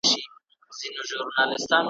چي هوښيار دي نن سبا ورنه كوچېږي ,